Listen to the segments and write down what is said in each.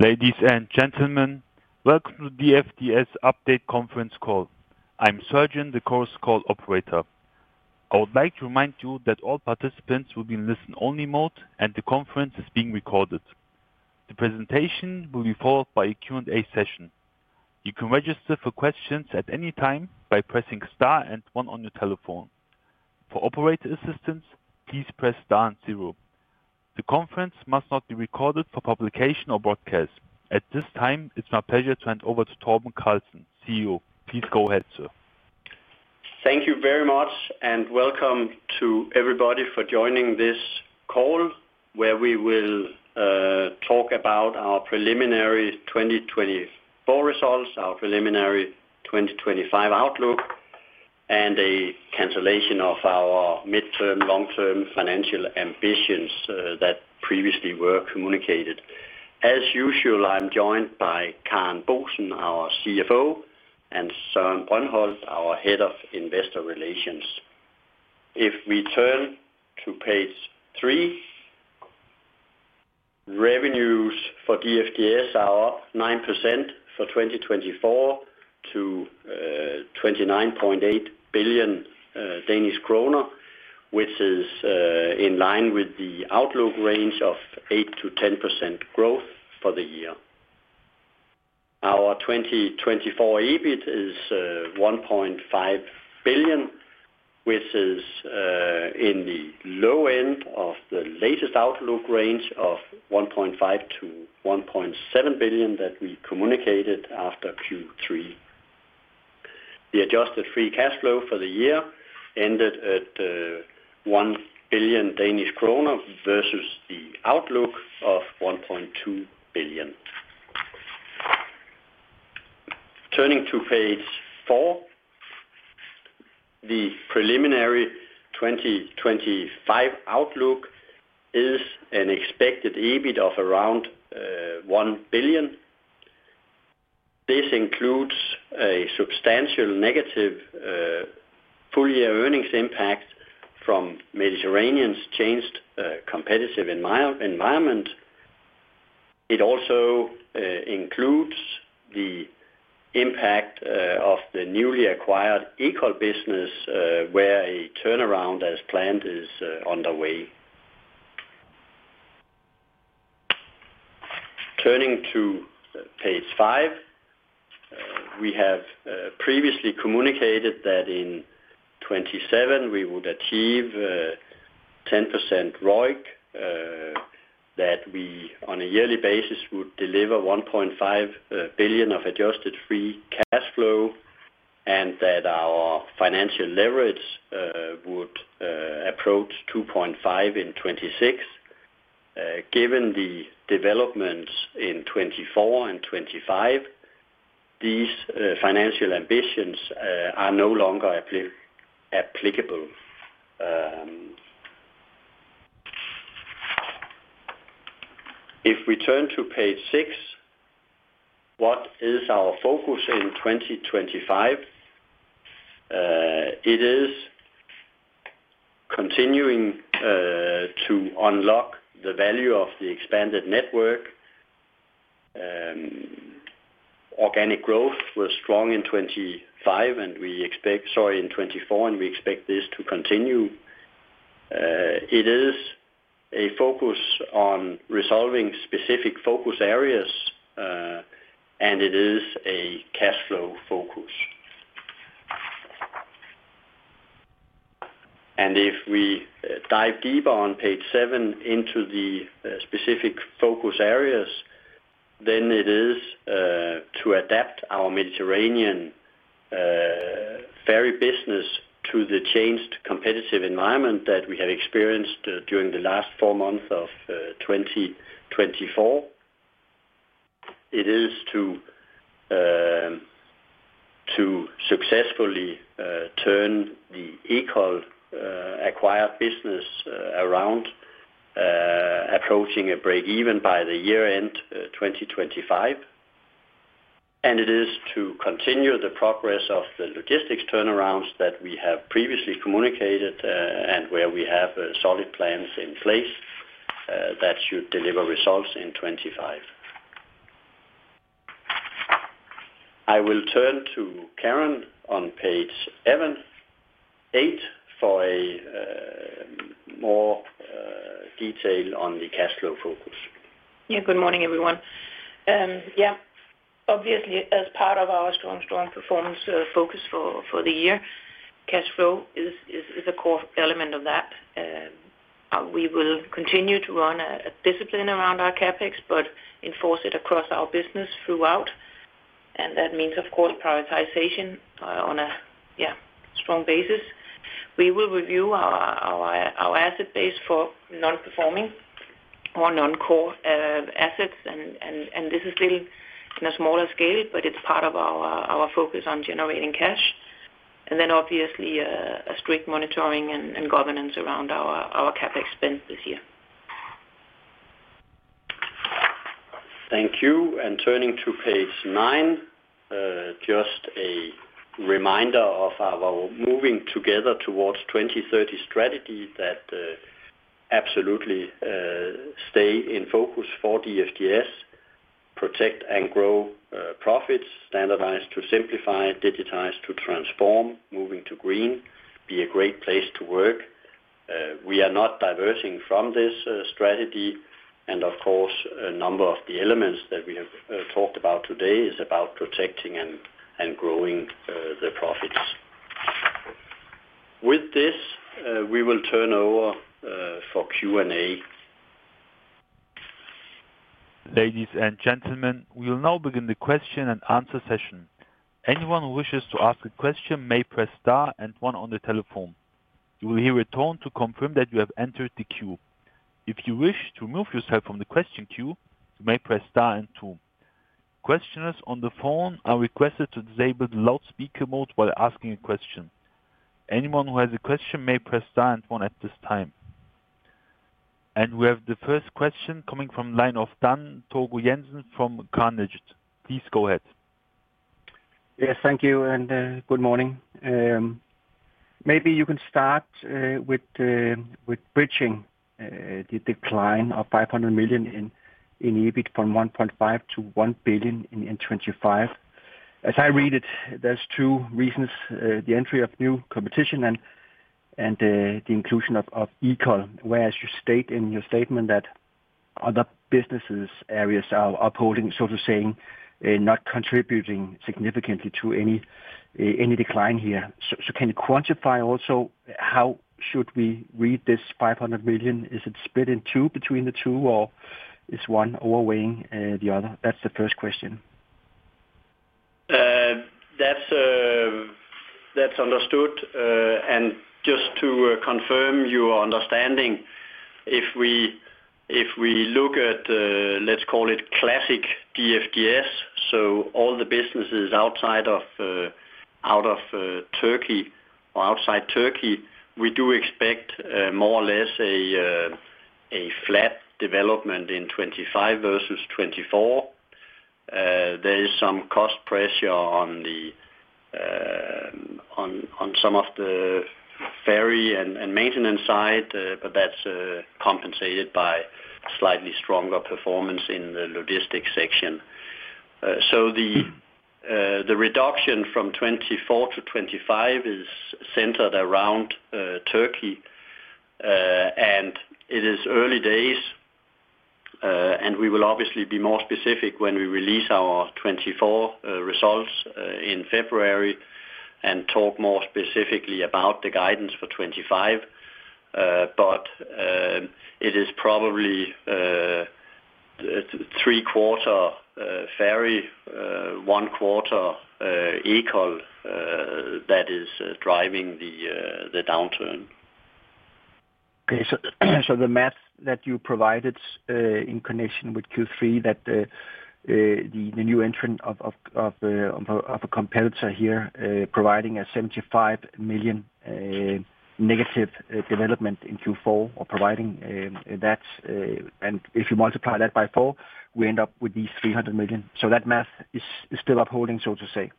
Ladies and gentlemen, welcome to the DFDS Update Conference Call. I'm Sargent, the conference call operator. I would like to remind you that all participants will be in listen-only mode and the conference is being recorded. The presentation will be followed by a Q&A session. You can register for questions at any time by pressing star and one on your telephone. For operator assistance, please press star and zero. The conference must not be recorded for publication or broadcast. At this time, it's my pleasure to hand over to Torben Carlsen, CEO. Please go ahead, sir. Thank you very much, and welcome to everybody for joining this call, where we will talk about our preliminary 2024 results, our preliminary 2025 outlook, and a cancellation of our midterm, long-term financial ambitions that previously were communicated. As usual, I'm joined by Karen Boesen, our CFO, and Søren Brøndholt, our Head of Investor Relations. If we turn to page three, revenues for DFDS are up 9% for 2024 to DKK 29.8 billion, which is in line with the outlook range of 8%-10% growth for the year. Our 2024 EBIT is 1.5 billion, which is in the low end of the latest outlook range of 1.5 billion-1.7 billion that we communicated after Q3. The adjusted free cash flow for the year ended at 1 billion Danish kroner versus the outlook of 1.2 billion. Turning to page four, the preliminary 2025 outlook is an expected EBIT of around 1 billion. This includes a substantial negative full-year earnings impact from the Mediterranean's changed competitive environment. It also includes the impact of the newly acquired Ekol business, where a turnaround as planned is underway. Turning to page five, we have previously communicated that in 2027 we would achieve 10% ROIC, that we on a yearly basis would deliver 1.5 billion of adjusted free cash flow, and that our financial leverage would approach 2.5 in 2026. Given the developments in 2024 and 2025, these financial ambitions are no longer applicable. If we turn to page six, what is our focus in 2025? It is continuing to unlock the value of the expanded network. Organic growth was strong in 2024, and we expect this to continue. It is a focus on resolving specific focus areas, and it is a cash flow focus. And if we dive deeper on page seven into the specific focus areas, then it is to adapt our Mediterranean ferry business to the changed competitive environment that we have experienced during the last four months of 2024. It is to successfully turn the Ekol acquired business around, approaching a break-even by the year-end 2025. And it is to continue the progress of the logistics turnarounds that we have previously communicated and where we have solid plans in place that should deliver results in 2025. I will turn to Karen on page seven, eight, for more detail on the cash flow focus. Yeah, good morning, everyone. Yeah, obviously, as part of our strong, strong performance focus for the year, cash flow is a core element of that. We will continue to run a discipline around our CapEx, but enforce it across our business throughout, and that means, of course, prioritization on a, yeah, strong basis. We will review our asset base for non-performing or non-core assets, and this is still on a smaller scale, but it's part of our focus on generating cash, and then, obviously, a strict monitoring and governance around our CapEx spend this year. Thank you. And turning to page nine, just a reminder of our Moving Together Towards 2030 strategy that absolutely stays in focus for DFDS: Protect and Grow Profits, Standardize to Simplify, Digitize to Transform, Moving to Green, Be a Great Place to Work. We are not diverging from this strategy. And, of course, a number of the elements that we have talked about today is about protecting and growing the profits. With this, we will turn over for Q&A. Ladies and gentlemen, we will now begin the question and answer session. Anyone who wishes to ask a question may press star and one on the telephone. You will hear a tone to confirm that you have entered the queue. If you wish to remove yourself from the question queue, you may press star and two. Questioners on the phone are requested to disable the loudspeaker mode while asking a question. Anyone who has a question may press star and one at this time, and we have the first question coming from the line of Dan Togo Jensen from Carnegie. Please go ahead. Yes, thank you, and good morning. Maybe you can start with bridging the decline of 500 million in EBIT from 1.5 billion to 1 billion in 2025. As I read it, there's two reasons: the entry of new competition and the inclusion of Ekol, whereas you state in your statement that other businesses' areas are upholding, so to say, not contributing significantly to any decline here. So can you quantify also how should we read this 500 million? Is it split in two between the two, or is one outweighing the other? That's the first question. That's understood. And just to confirm your understanding, if we look at, let's call it, classic DFDS, so all the businesses outside of Turkey or outside Turkey, we do expect more or less a flat development in 2025 versus 2024. There is some cost pressure on some of the ferry and maintenance side, but that's compensated by slightly stronger performance in the logistics section. So the reduction from 2024 to 2025 is centered around Turkey, and it is early days. And we will obviously be more specific when we release our 2024 results in February and talk more specifically about the guidance for 2025. But it is probably three-quarter ferry, one-quarter Ekol that is driving the downturn. Okay, so the math that you provided in connection with Q3, that the new entrant of a competitor here providing a 75 million negative development in Q4 or providing that, and if you multiply that by four, we end up with these 300 million. So that math is still upholding, so to say,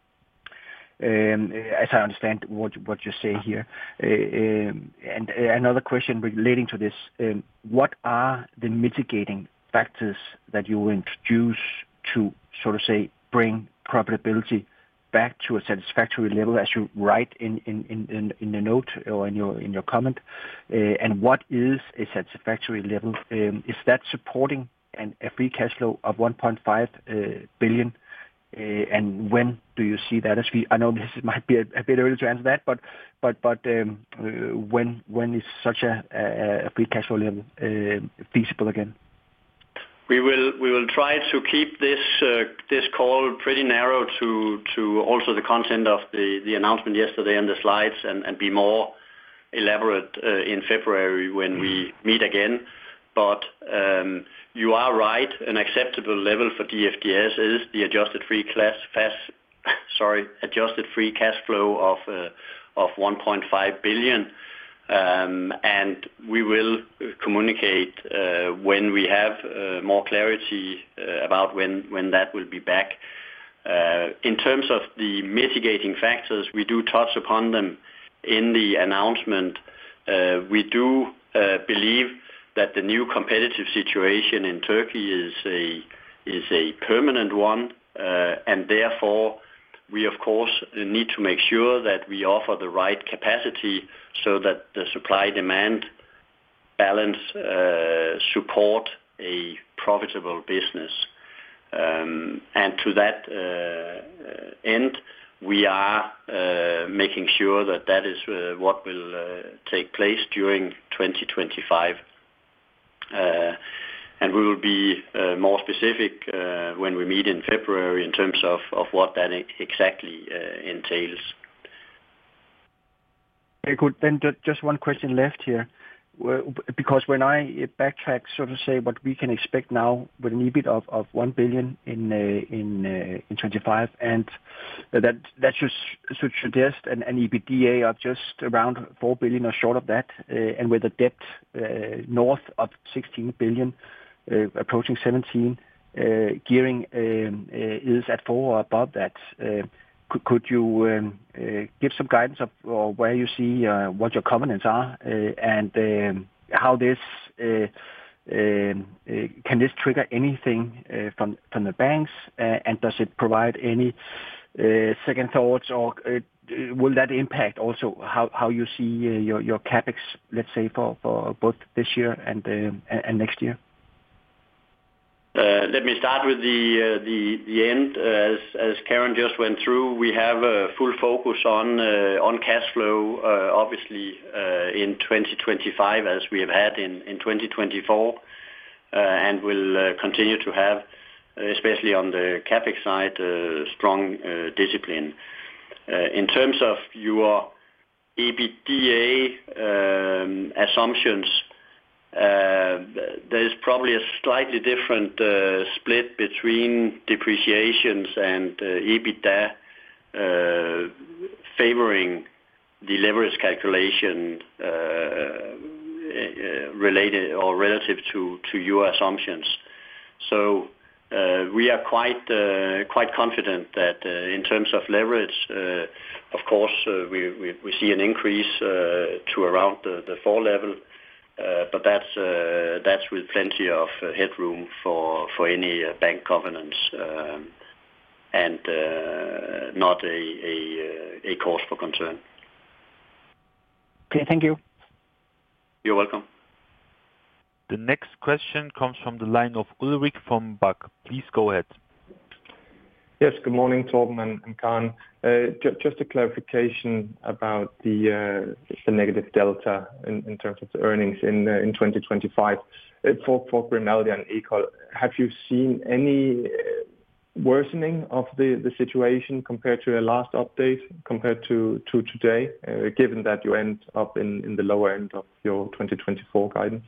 as I understand what you're saying here. And another question relating to this: what are the mitigating factors that you will introduce to, so to say, bring profitability back to a satisfactory level, as you write in the note or in your comment? And what is a satisfactory level? Is that supporting a free cash flow of 1.5 billion? And when do you see that? I know this might be a bit early to answer that, but when is such a free cash flow level feasible again? We will try to keep this call pretty narrow to also the content of the announcement yesterday and the slides and be more elaborate in February when we meet again. But you are right, an acceptable level for DFDS is the adjusted free cash flow of 1.5 billion. And we will communicate when we have more clarity about when that will be back. In terms of the mitigating factors, we do touch upon them in the announcement. We do believe that the new competitive situation in Turkey is a permanent one. And therefore, we, of course, need to make sure that we offer the right capacity so that the supply-demand balance supports a profitable business. And to that end, we are making sure that that is what will take place during 2025. And we will be more specific when we meet in February in terms of what that exactly entails. Very good. Then just one question left here, because when I backtrack, so to say, what we can expect now with an EBIT of 1 billion in 2025, and that should suggest an EBITDA of just around 4 billion or short of that, and with a debt north of 16 billion, approaching 17 billion, gearing is at 4 or above that. Could you give some guidance of where you see what your covenants are and how this can trigger anything from the banks? And does it provide any second thoughts, or will that impact also how you see your CapEx, let's say, for both this year and next year? Let me start with the end. As Karen just went through, we have a full focus on cash flow, obviously, in 2025, as we have had in 2024, and will continue to have, especially on the CapEx side, strong discipline. In terms of your EBITDA assumptions, there is probably a slightly different split between depreciation and EBITDA favoring the leverage calculation related or relative to your assumptions. So we are quite confident that in terms of leverage, of course, we see an increase to around the 4 level, but that's with plenty of headroom for any bank covenants and not a cause for concern. Okay, thank you. You're welcome. The next question comes from the line of Ulrik Bak. Please go ahead. Yes, good morning, Torben and Karen. Just a clarification about the negative delta in terms of the earnings in 2025 for Grimaldi and Ekol. Have you seen any worsening of the situation compared to the last update compared to today, given that you end up in the lower end of your 2024 guidance?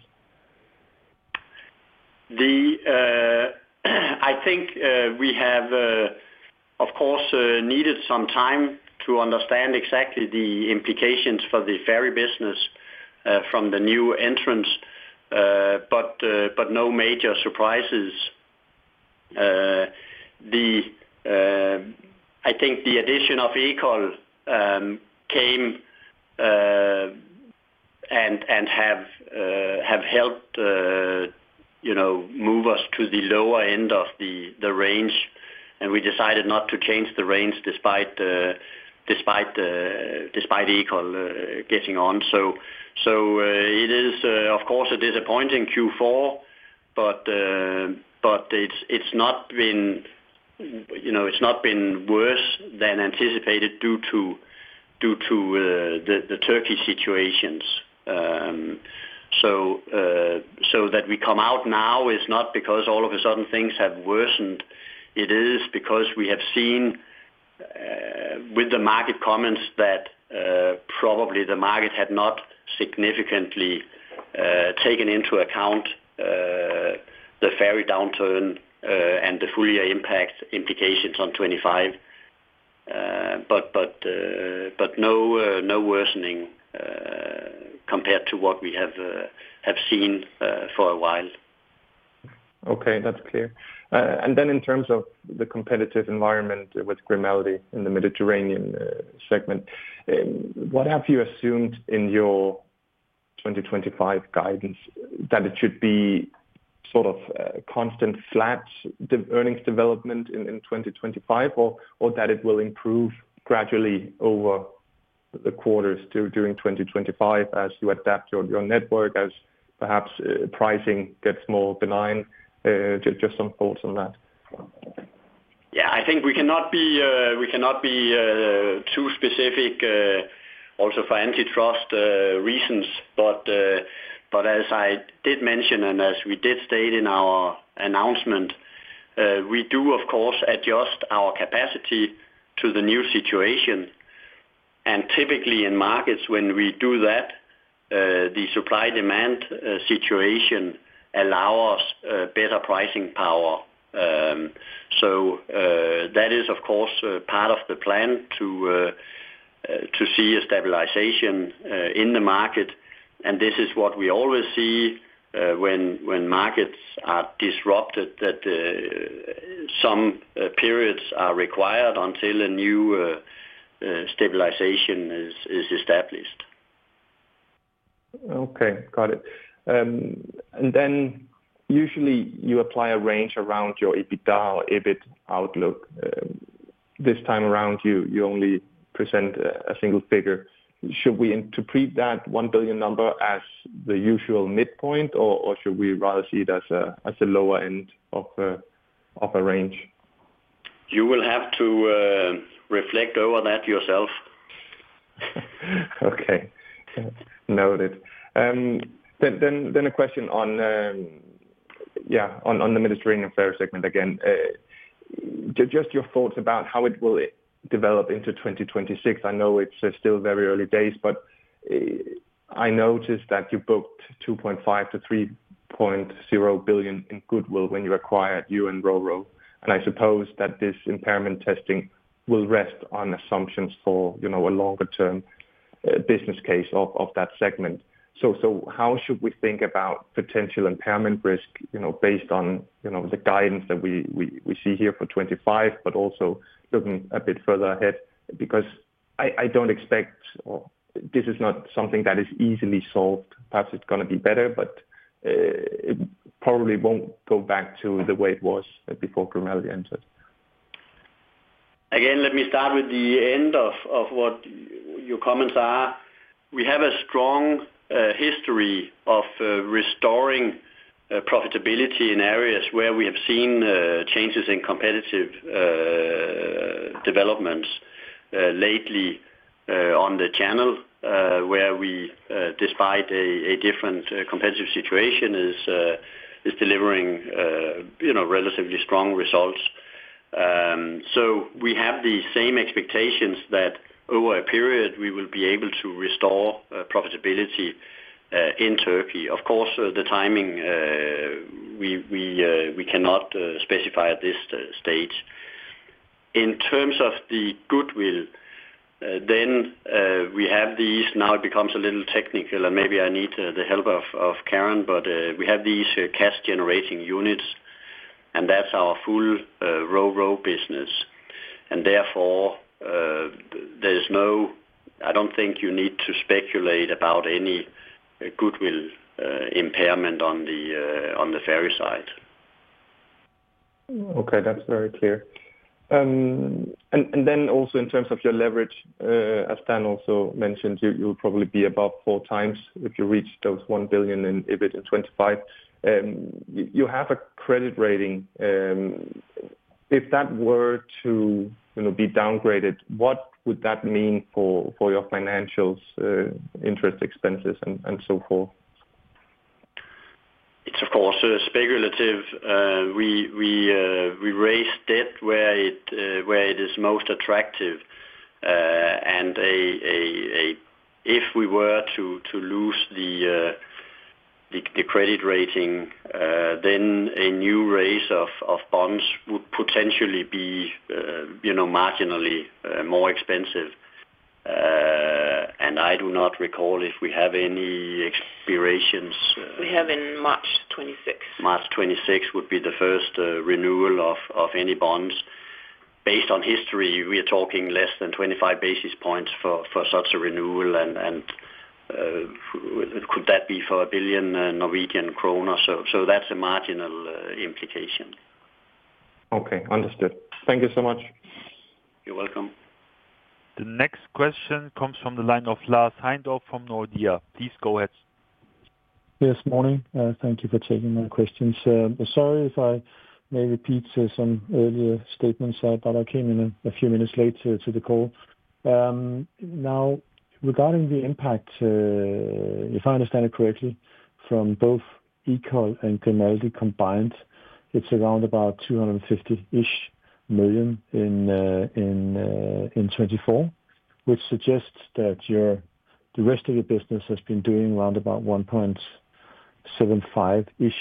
I think we have, of course, needed some time to understand exactly the implications for the ferry business from the new entrants, but no major surprises. I think the addition of Ekol came and have helped move us to the lower end of the range, and we decided not to change the range despite Ekol getting on. So it is, of course, a disappointing Q4, but it's not been worse than anticipated due to the Turkey situations. So that we come out now is not because all of a sudden things have worsened. It is because we have seen with the market comments that probably the market had not significantly taken into account the ferry downturn and the full year impact implications on 2025, but no worsening compared to what we have seen for a while. Okay, that's clear, and then in terms of the competitive environment with Grimaldi in the Mediterranean segment, what have you assumed in your 2025 guidance? That it should be sort of constant flat earnings development in 2025, or that it will improve gradually over the quarters during 2025 as you adapt your network, as perhaps pricing gets more benign? Just some thoughts on that. Yeah, I think we cannot be too specific also for antitrust reasons. But as I did mention, and as we did state in our announcement, we do, of course, adjust our capacity to the new situation. And typically in markets, when we do that, the supply-demand situation allows us better pricing power. So that is, of course, part of the plan to see a stabilization in the market. And this is what we always see when markets are disrupted, that some periods are required until a new stabilization is established. Okay, got it. And then usually you apply a range around your EBITDA or EBIT outlook. This time around, you only present a single figure. Should we interpret that 1 billion number as the usual midpoint, or should we rather see it as the lower end of a range? You will have to reflect over that yourself. Okay, noted. Then a question on the Mediterranean ferry segment again. Just your thoughts about how it will develop into 2026. I know it's still very early days, but I noticed that you booked 2.5 billion-3.0 billion in goodwill when you acquired U.N. Ro-Ro. And I suppose that this impairment testing will rest on assumptions for a longer-term business case of that segment. So how should we think about potential impairment risk based on the guidance that we see here for 2025, but also looking a bit further ahead? Because I don't expect this is not something that is easily solved. Perhaps it's going to be better, but it probably won't go back to the way it was before Grimaldi entered. Again, let me start with the end of what your comments are. We have a strong history of restoring profitability in areas where we have seen changes in competitive developments lately on the channel, where we, despite a different competitive situation, are delivering relatively strong results. So we have the same expectations that over a period we will be able to restore profitability in Turkey. Of course, the timing, we cannot specify at this stage. In terms of the goodwill, then we have these. Now it becomes a little technical, and maybe I need the help of Karen, but we have these cash-generating units, and that's our full RoRo business. And therefore, there is no. I don't think you need to speculate about any goodwill impairment on the ferry side. Okay, that's very clear. And then also in terms of your leverage, as Dan also mentioned, you'll probably be above four times if you reach those one billion in EBIT in 2025. You have a credit rating. If that were to be downgraded, what would that mean for your financials, interest, expenses, and so forth? It's, of course, speculative. We raise debt where it is most attractive. And if we were to lose the credit rating, then a new raise of bonds would potentially be marginally more expensive. And I do not recall if we have any expirations. We have in March 2026. March 2026 would be the first renewal of any bonds. Based on history, we are talking less than 25 basis points for such a renewal, and could that be for 1 billion Norwegian kroner? So that's a marginal implication. Okay, understood. Thank you so much. You're welcome. The next question comes from the line of Lars Heindorf from Nordea. Please go ahead. Yes, morning. Thank you for taking my questions. Sorry if I may repeat some earlier statements, but I came in a few minutes late to the call. Now, regarding the impact, if I understand it correctly, from both Ekol and Grimaldi combined, it's around about 250 million in 2024, which suggests that the rest of your business has been doing around about 1.75 billion.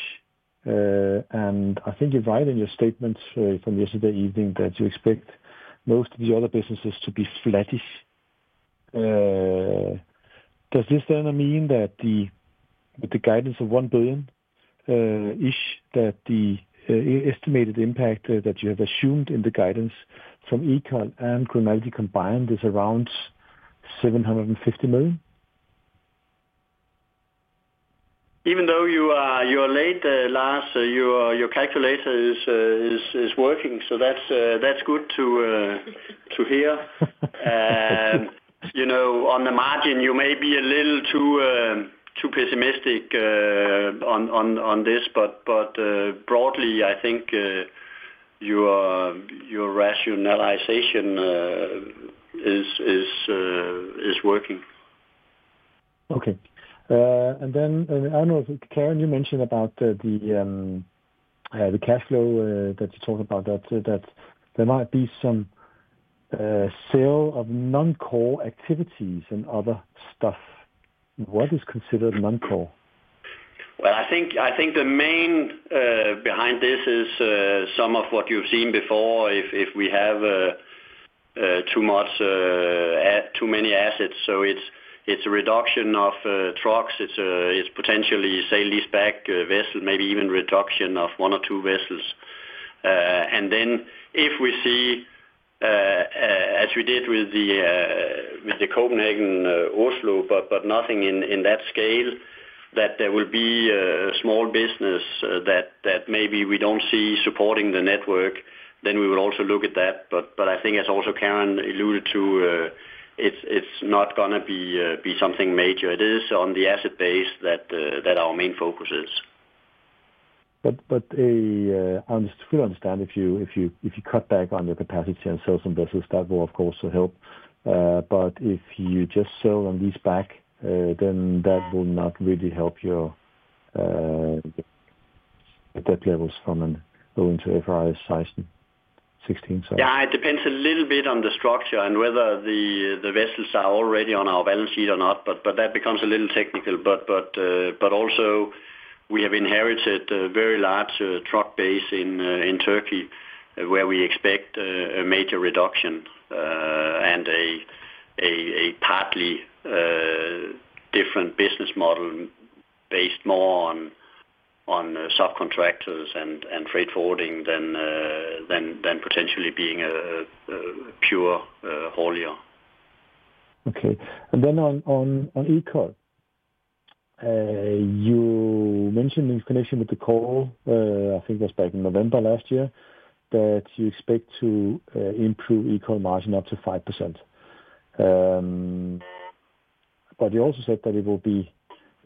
I think you're right in your statements from yesterday evening that you expect most of the other businesses to be flattish. Does this then mean that with the guidance of 1 billion, that the estimated impact that you have assumed in the guidance from Ekol and Grimaldi combined is around DKK 750 million? Even though you are late, Lars, your calculator is working, so that's good to hear. On the margin, you may be a little too pessimistic on this, but broadly, I think your rationalization is working. Okay. And then, I don't know if Karen, you mentioned about the cash flow that you talked about, that there might be some sale of non-core activities and other stuff. What is considered non-core? I think the main thing behind this is some of what you've seen before, if we have too many assets. So it's a reduction of trucks. It's potentially sale and leaseback vessels, maybe even reduction of one or two vessels, and then if we see, as we did with the Copenhagen-Oslo, but nothing in that scale, that there will be a small business that maybe we don't see supporting the network, then we would also look at that. But I think, as also Karen alluded to, it's not going to be something major. It is on the asset base that our main focus is. But I understand if you cut back on your capacity and sell some vessels, that will, of course, help. But if you just sale and leaseback, then that will not really help your debt levels from going to 3x size 16. Yeah, it depends a little bit on the structure and whether the vessels are already on our balance sheet or not, but that becomes a little technical. But also, we have inherited a very large truck base in Turkey where we expect a major reduction and a partly different business model based more on subcontractors and freight forwarding than potentially being a pure haulier. Okay. And then on Ekol, you mentioned in connection with the call, I think it was back in November last year, that you expect to improve Ekol margin up to 5%. But you also said that it will be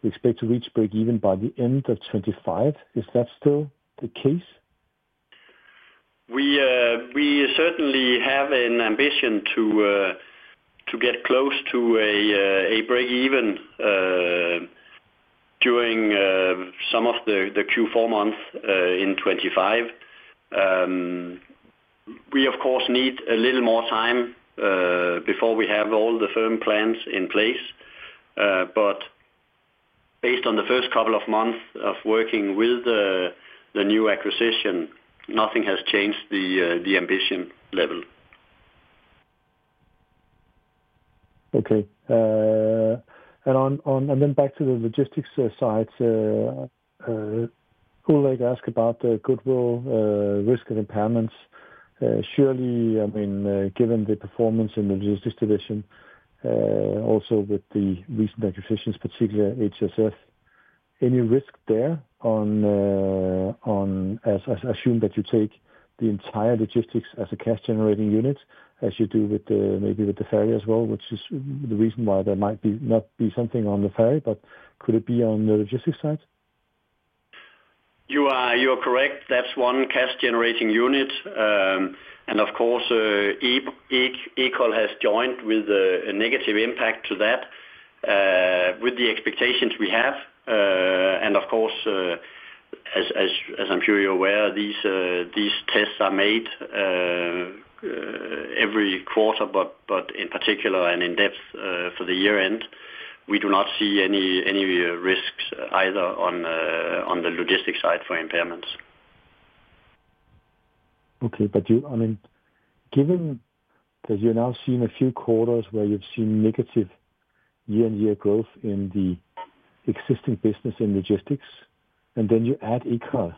expected to reach break-even by the end of 2025. Is that still the case? We certainly have an ambition to get close to a break-even during some of the Q4 months in 2025. We, of course, need a little more time before we have all the firm plans in place. But based on the first couple of months of working with the new acquisition, nothing has changed the ambition level. Okay. And then back to the logistics side, I would like to ask about the goodwill risk and impairments. Surely, I mean, given the performance in the logistics division, also with the recent acquisitions, particularly HSF, any risk there on, I assume, that you take the entire logistics as a cash-generating unit as you do maybe with the ferry as well, which is the reason why there might not be something on the ferry, but could it be on the logistics side? You are correct. That's one cash-generating unit. And of course, Ekol has joined with a negative impact to that with the expectations we have. And of course, as I'm sure you're aware, these tests are made every quarter, but in particular and in depth for the year-end. We do not see any risks either on the logistics side for impairments. Okay. But I mean, given that you've now seen a few quarters where you've seen negative year-on-year growth in the existing business in logistics, and then you add Ekol,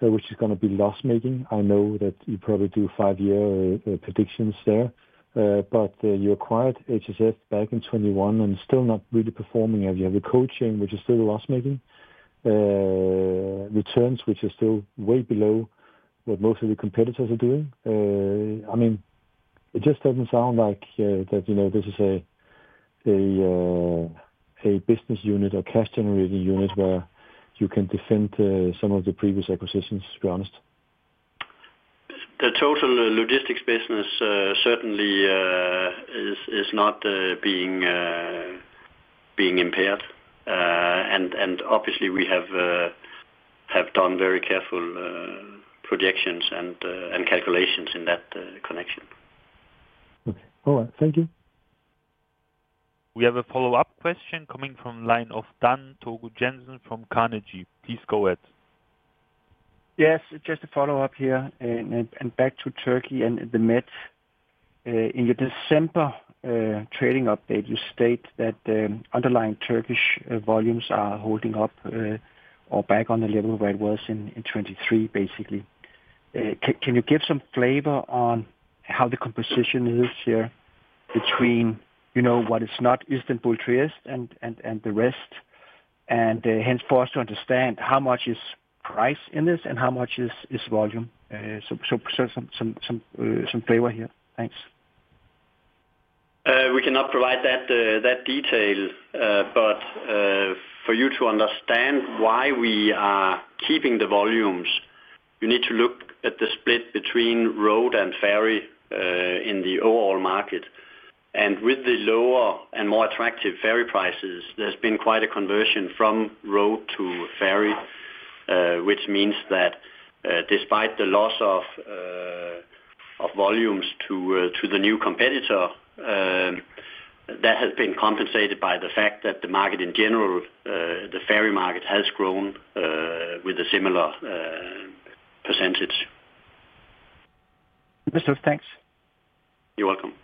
which is going to be loss-making. I know that you probably do five-year predictions there, but you acquired HSF back in 2021 and still not really performing. You have a Cold Chain, which is still loss-making. Returns, which are still way below what most of the competitors are doing. I mean, it just doesn't sound like that this is a business unit or cash-generating unit where you can defend some of the previous acquisitions, to be honest. The total logistics business certainly is not being impaired, and obviously, we have done very careful projections and calculations in that connection. Okay. All right. Thank you. We have a follow-up question coming from the line of Dan Togo Jensen from Carnegie. Please go ahead. Yes, just a follow-up here and back to Turkey and the Med. In your December trading update, you state that underlying Turkish volumes are holding up or back on the level where it was in 2023, basically. Can you give some flavor on how the composition is here between what is not Istanbul Trieste and the rest, and henceforth to understand how much is price in this and how much is volume? So some flavor here. Thanks. We cannot provide that detail, but for you to understand why we are keeping the volumes, you need to look at the split between road and ferry in the overall market, and with the lower and more attractive ferry prices, there's been quite a conversion from road to ferry, which means that despite the loss of volumes to the new competitor, that has been compensated by the fact that the market in general, the ferry market, has grown with a similar percentage. Many Thanks. You're welcome.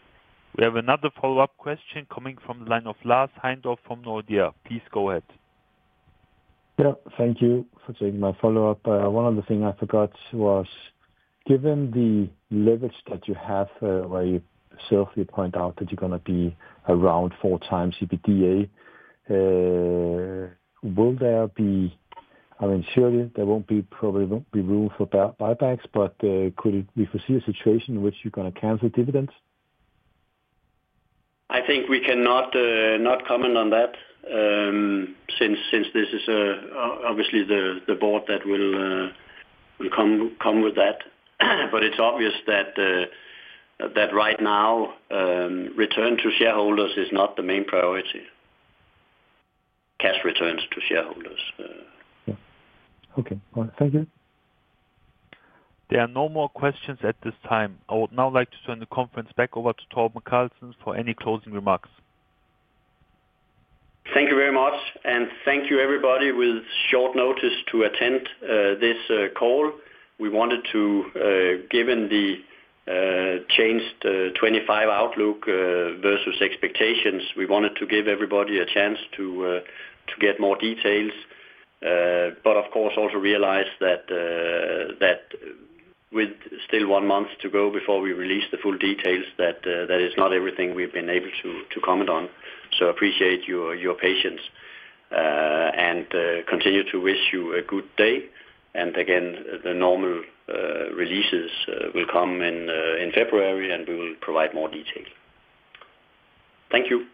We have another follow-up question coming from the line of Lars Heindorf from Nordea. Please go ahead. Yeah. Thank you for taking my follow-up. One other thing I forgot was, given the leverage that you have where you yourself point out that you're going to be around four times EBITDA, will there be? I mean, surely there won't be room for buybacks, but could we foresee a situation in which you're going to cancel dividends? I think we cannot comment on that since this is obviously the Board that will come with that. But it's obvious that right now, return to shareholders is not the main priority. Cash returns to shareholders. Okay. All right. Thank you. There are no more questions at this time. I would now like to turn the conference back over to Torben Carlsen for any closing remarks. Thank you very much. And thank you, everybody, with short notice to attend this call. We wanted to, given the changed 2025 outlook versus expectations, we wanted to give everybody a chance to get more details. But of course, also realize that with still one month to go before we release the full details, that is not everything we've been able to comment on. So appreciate your patience and continue to wish you a good day. And again, the normal releases will come in February, and we will provide more detail. Thank you.